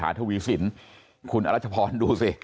ทวีสินคุณอรัชพรดูสิ